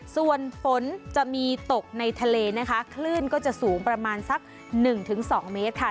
ส่วนฝนจะมีตกในทะเลนะคะคลื่นก็จะสูงประมาณสัก๑๒เมตรค่ะ